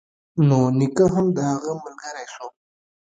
نو نيکه هم د هغه ملگرى سو.